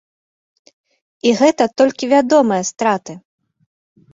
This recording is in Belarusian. І гэта толькі вядомыя страты.